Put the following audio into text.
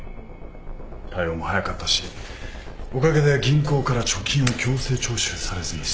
対応も早かったしおかげで銀行から貯金を強制徴収されずに済んだ。